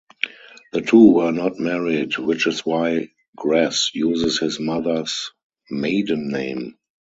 The two were not married, which is why Gress uses his mother's maiden name.